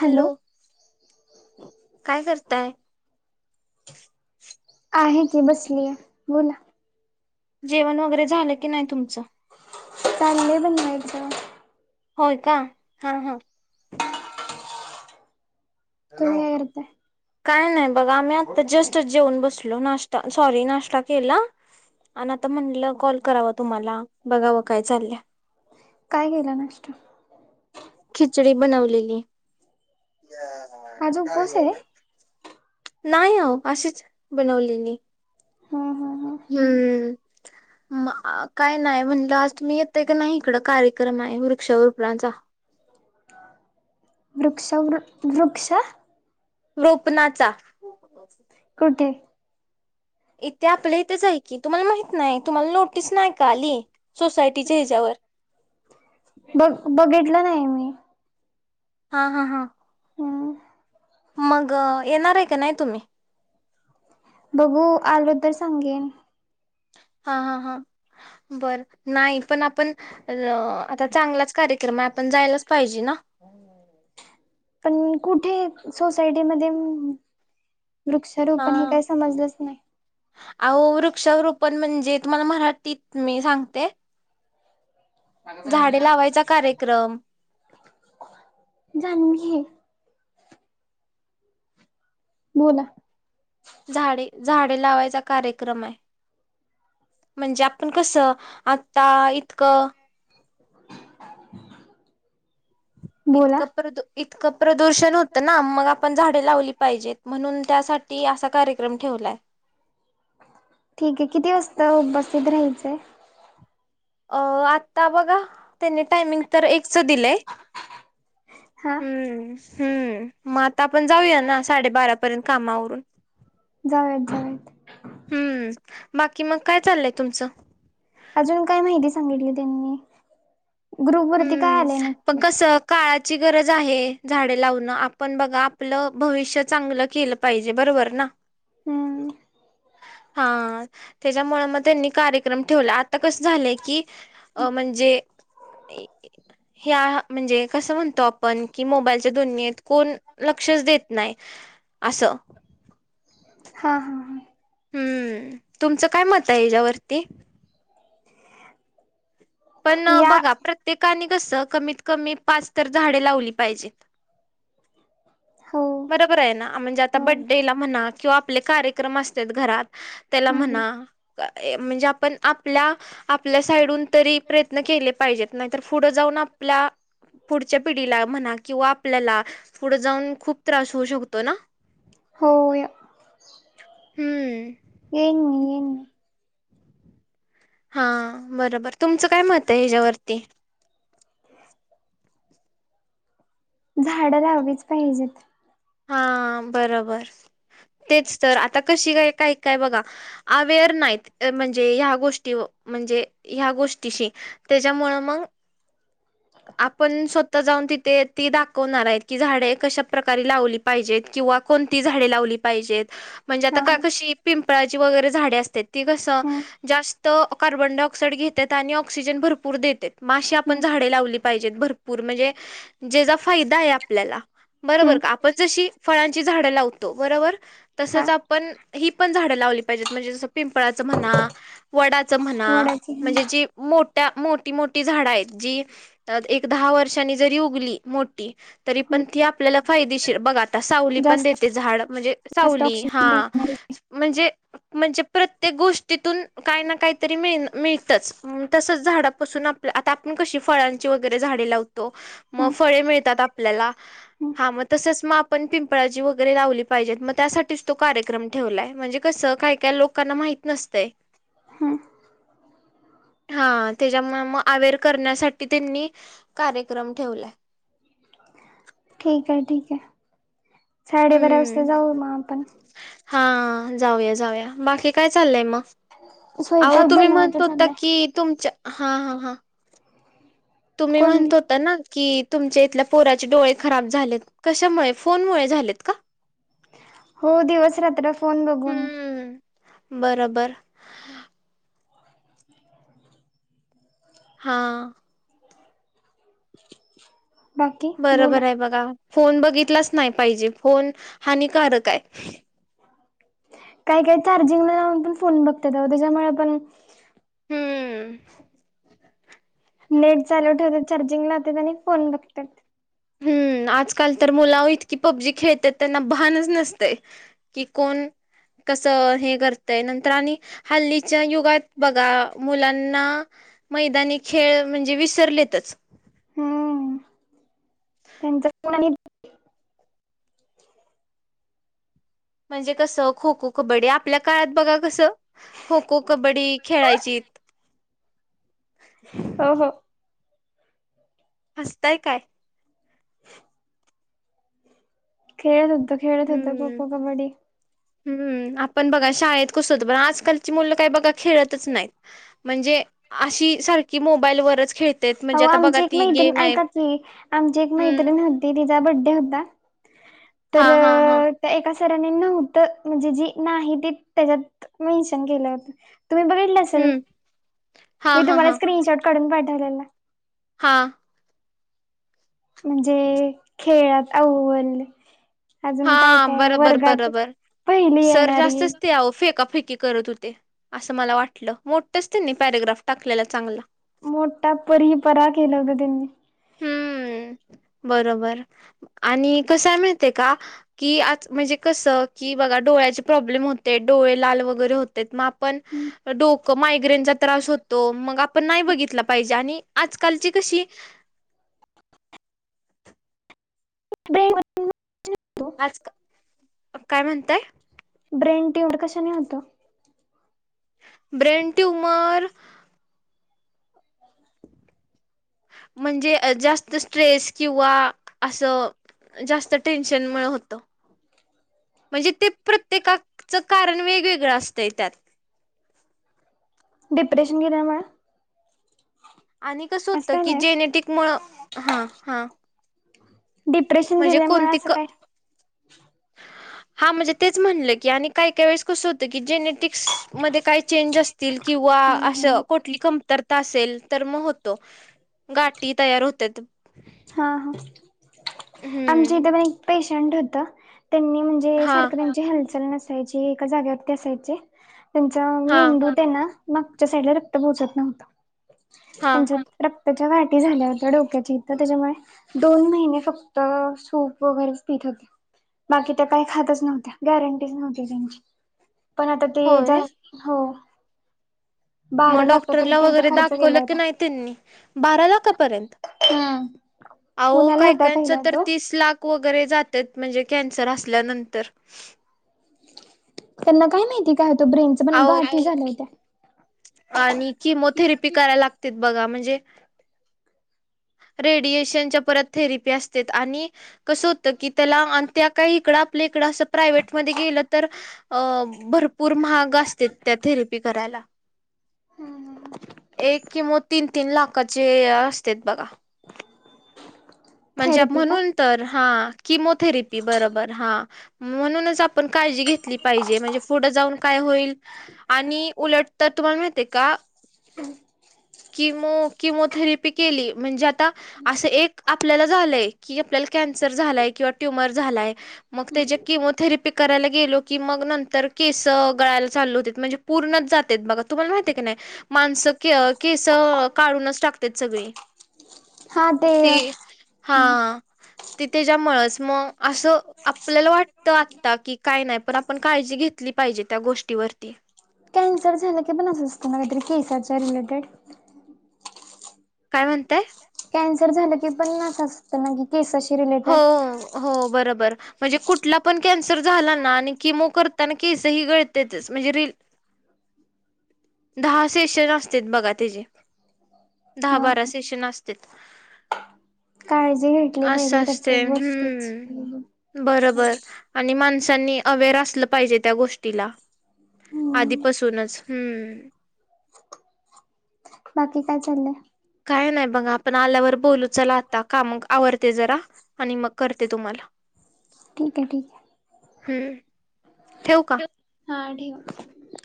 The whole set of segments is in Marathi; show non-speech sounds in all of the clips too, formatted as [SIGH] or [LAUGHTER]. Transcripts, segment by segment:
हॅलो काय करताय आहे की बसलीय बोला जेवण वगैरे झालं की नाही तुमचं चाललंय बनवायचं होय का हा हा हॅलो तुम्ही काय करताय काय नाही बघा आम्ही आता जस्ट जेऊन बसलो नाश्ता सॉरी नाश्ता केला आणि आता म्हणलं कॉल करावा तुम्हाला बघावं काय चाललं काय गेलं नाष्टत खिचडी बनवलेली आज उपवास आहे नाही हो अशीच बनवले नाही हम हम हम हम्म म काय नाही म्हणटलं आज तुम्ही येतय काी नाही इकड कार्यक्रम आहे वृक्षगोपणांचा वृक्ष वृ वृक्ष रोपनाचा कुठे इथे आपल्या इथेच आहे की तुम्हाला माहित नाही तुम्हाला नोटीस नाही का आली सोसायटीच्या ह्याच्यावर बघ बघितलं नाही मी हा हा हा हम मग येणार आहे का नाही तुम्ही बघू आलो तर सांगेन [INAUDIBLE] [INAUDIBLE] पण कुठे सोसायटी मध्ये वृक्ष तर हा पण हे काही समजलंच नाही अहो वृक्षारोपण म्हणजे तुम्हाला मराठीत मी सांगते झाडे लावायचा कार्यक्रम जाण घी बला झाडे झाडे लावायचा कार्यक्रम आहे म्हणजे आपण कसं आता इतकं बोला इतक प्रधु इतकं प्रदूषण होतं ना मग आपण झाडें लावली पाहिजेत म्हणून त्यासाठी असा कार्यक्रम ठेवलाय ठीक आहे किती वाजता उपस्थित राहायचं हाय अ आत्ता बघा त्यांनी टायमिंग तर एकच दिलंय हा हम्म हम्मृ आता आपण जाऊया ना साडेबारापर्यंत कामावरून जावुयात जावुयात. हम्म बाकी मग काय चाललंय तुमचं अजून काय माहिती सांगितली त्यांनी ग्रुप वरती काय हम्म आलंय पण नक्की कसं काळाची गरज आहे झाडे लावणं आपण बघा आपलं भविष्य चांगलं केलं पाहिजे बरोबर ना हम्म हा त्याच्यामुळे मग त्यांनी कार्यक्रम ठेवला आता कसं झालंय की अ म्हणजे ह्या म्हणजे कसं म्हणतो आपण की मोबाईलच्या दुनित कोण लक्षच देत नाही असं हा हा हा हम्म तुमचं काय मत आहे याच्यावरती पण या बघा प्रत्येकाने कसं कमीत कमी पाच तर झाडे लावली पाहिजेत हो बरोबर आहे ना म्हणजे आता हो बड्डेला म्हणा किंवा आपले कार्यक्रम असतात घरात त्याला हम्म म्हणा म्हणजे आपण आपल्या आपल्या साईडून तरी प्रयत्न केले पाहिजेत नाहीतर पुढं जाऊन आपल्या पुढच्या पिढीला म्हणा किंवा आपल्याला पुढे जाऊन खूप त्रास होऊ शकतो ना होय हम्म येईन मी येईन मी हा बरोबर तुमचं काय मत आहे हच्यावरती झाड लावलीच पाहिजेत हा बरोबर तेच तर आता कशी काय काय काय बघा अवेर नाहीत म्हणजे ह गोष्टी म्हणजे ह गोष्टीशी त्याच्यामुळं मग आपण स्वतः जाऊन तिथे त दाखवणार आहे की झाडे कशा प्रकारे लावली पाहिजेत किंवा कोणती झाडे लावली पाहिजेत म्हणजे हा आता का हा कशी पिंपळाची वगैरे झाडे असतात ती कसं हम्म जास्त कार्बन डाय ऑक्साइड घेतात आणि ऑक्सिजन भरपूर देतात मग आशी आपण हम्म झाडे लावली पाहिजेत भरपूर म्हणजे ज्याचा फायदा आहे आपल्याला बरोबर हम्म का आपण जशी फळांची झाडं लावत बरोबर तसच हा आपण ही पण झाड लावली पाहिजे म्हणजे जस पिंपळाचं म्हणा वडाचं म्हणा वडाची म्हणजे जी मोठ्या मोठी मोठी झाडं आहेत जी एक दहा वर्षांनी जरी उगली तरी हम्म पण त आपल्याला फायदेशीर बघा सावली पण जास्त देते झाड म्हणजे जास्त सावली हा ऑक्सिजन देणारी म्हणजे म्हणजे प्रत्येक गोष्टीतून काही ना काहीतरी मिळत तसच झाडापासून आता आपण कशी फळांची वगैरे झाडे लावत मग हम्म फळे मिळतात आपल्याला हम्म हा मग तसच म आपण पिंपळाजी वगैरे लावली पाहिजेत मग त्यासाठीच तो कार्यक्रम ठेवलाय म्हणजे कसं काय काय लोकांना माहिती नसतय. हम्म हा त्यांच्या मुळे म अवेर करण्यासाठी त्यांनी कार्यक्रम ठेवलाय ठीक आहे ठीक आहे साडेबारा हम्म वाजता जाऊ मग आपण हा जाऊया जाऊया बाकी काय चाललंय मग आहोत स्वयंपाक तुम्ही बनवायचा म्हणतता चाललाय की तुमच्या हा हा हां तुम्ही कोण म्हणत होता ना की तुमच्या इथल्या पोराचे डोळे खराब झालेत कशामुळे फोनमुळे झालेत का हो दिवस रात्र फोन बघून हम्म बरोबर [INAUDIBLE] हा [INAUDIBLE] बरोबर बोला आहे बघा फोन बघितलाच नाही पाहिजे फोन हानिकारक आहे काही काही चार्जिंगला जा पण फोन बघतात त्याच्यामुळे पण हम्म नेट चालू ठेवत चार्जिंग लावतात आणि फोन बघतात हम्म आजकाल तर मुला इतकी पबजी खेळत त्यांना भानच नसते कि कोण कस हे करतय नंतर आणि हल्लीच्या युगात बघा मुलांना मैदानी खेळ म्हणजे विसरलेतच हम्म त्यांच म्हणजे कसं खो खो कबड्डी आपल्या काळात बघा कसं खो खो कबड्डी खेळायची हो हो हसताय काय [INAUDIBLE] खेळत होद्त खेळत होत खो हम्म खो कबड्डी हम्म आपण बघा शाळेत कसं होतं पण आजकाल ची मुलं काय बघा खेळतंच नाय म्हणजे अशी सारखी मो हो आमची एक मैत्रीिण गेम आहे ऐकात आमची एक हम्म मैत्रिण त तिचा बड्डे होता तर हा हा हा तर एका सराने नव्हतं म्हणजे जी नाही ती त्याच्यात मेन्शन केलं होतं तुम्ही बघितलं असेल हम्म हा मी हा तुम्हाला हा स्क्रीनशॉट काढून पाठवलेला हां म्हणजे खेळात अव्वल हा अजून काय काय बरोबर वर्गात बरोबर पहिली सर येणारी जास्तच ते फेका फेकी त होते अस मला वाटलं मोठच त्यांनी पॅरग्राफ टाकलेला चांगला मोठा पररी परा केला होता त्यांनी हम्म बरोबर आणि कसा मिळते का की आज म्हणजे कसं कि बघा डोळ्याचे प्रॉब्लेम होते डोळे लाल वगैरे होते मग पण डोक मायग्रेनचा त्रास होतो मग आपण नाही बघितला पाहिजे आणि आजकालची कशी ब आज काय म्हणताय ब्रेन ट्यूमर कशा नी होतं ब्रेन ट्यूमर म्हणजे जास्त स्ट्रेस किंवा असं जास्त टेन्शनमुळे होतं म्हणजे ते प्रत्येकाचं कारण वेगवेगळं असतंय त्यात डिप्रेशन घि नाही म आणि कसं असं होतं काय की नाही जेनेटिक मुळ हा हा डिप्रेशन म्हणजे गेल्यामुळे कोणती असं क काय हा म्हणजे तेच म्हणलं की आणि काही काही वेळेस कसं होतं की जेनेटिक्स मध्ये काही चेंज असतील किंवा हा अस कोठली कमतर असेल तर मग होतो गाठी तयार होत ह आमच्या हम्म इथे पण एक पेशंट होत त्यांनी म्हण जे हा सारख त्यांची हालचाल नसायची एका जागेवरती असायचे त्यांचा हा मेंदू त्यांना मागच्या साईड रक्त पोहोचत नव्हत हा त्यांच्या रक्तच्या वाटी झाल्या होत्या डोक्याची तर त्याच्यामुळे दोन महिने फक्त सूप वगैरेच पित होते बाकी त्या काही खातच नव्हत्या गॅरंटीच नव्हती त्यांची पण आता ते जा होय हो बारा मग लाखापर्यंत डॉक्टरला त्यांचा वगैरे खर्च गेला दाखवलं की नाही होता. त्यांनी बारा लाखापर्यंत हम अहो काही काच तर तीस लाख वगैरे जातेत म्हणजे कॅन्सर असल्यानंतर त्यांना काय माहिती काय होतं ब्रेनच पण गाट अहो झालंय त्या आणि किमोथेरपी करायला लागते बघा म्हणजे रेडिएशनच्या परत थेरपी असते आणि कसं होतं की त्याला त्या काही इकडं आपल्या इकडं असं प्रायव्टमध्येध्ये गेलं तर अ भरपूर महाग असते त्या थेरपी करायला हम्म हम एक किंवा तीन तीन लाखाचे असते बघा म्हणजे थेरपी का म्हणून तर हा किमोथेरपी बरोबर हा म्हणूनच आपण काळजी घेतली पाहिजे म्हणजे पुढे जाऊन काय होईल आणि उलट तर तुम्हाला माहती का किमो किमोथेरपी केली म्हणजे आता असं एक आपल्याला झालंय की आपल्याला कॅन्सर झालाय किंवा ट्युमर झालाय मग त्याच्या किमोथेरपी करायला गेलो की मग नंतर केस गळायला चाल होते म्हणजे पूर्णच जातात बघा तुम्हाला माहिती आहे की नाही मानसकी केस काढूनच टाकतात सगळी ते हा ते त्याच्यामुळेच मग असं आपल्याला वाटतं आता की काय नाही पण आपण काळजी घेतली पाहिजे त्या गोष्टीवरती के रट काय म्हणताय कॅन्सर झालं की पण नाच असत केसशी हो, रिलेटेड हो बरोबर म्हणजे कुठला पण कॅन्सर झाला ना आणि किमो करताना केसही गळतच म्हणजे र दहा सेशन असते बघा तचेे दहा हा बारा सेशन असते काळजी घेतली पाहिजे क ते हम्म बरोबर आणि माणसांनी अवेअर असलं पाहिजे त्या गोष्टीला हम्म आधीपासूनच हम्म बाकी काय चाललं. काय नाही बघा आपण आल्यावर बोलू चला आता का मग आवडते जरा आणि मग करते तुम्हाला ठीक आहे ठीक आहे हम्म ठे हा ठेव.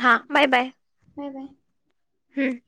हा बाय बाय. हो नाही हम्म